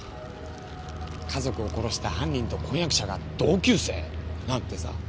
家族を殺した犯人と婚約者が同級生なんてさ。